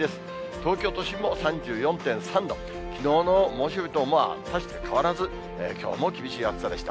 東京都心も３４．３度、きのうの猛暑日と大して変わらず、きょうも厳しい暑さでした。